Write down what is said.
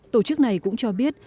tổ chức này cũng cho biết